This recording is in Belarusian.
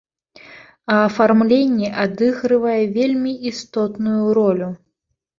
А афармленне адыгрывае вельмі істотную ролю!